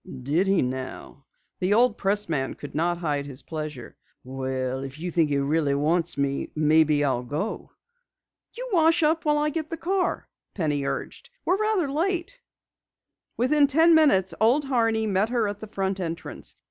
"Did he now?" The old pressman could not hide his pleasure. "Well, if you think he really wants me, maybe I'll go." "You wash up while I get the car," Penny urged. "We're rather late." Within ten minutes, Old Horney met her at the front entrance.